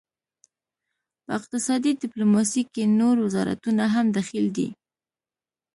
په اقتصادي ډیپلوماسي کې نور وزارتونه هم دخیل دي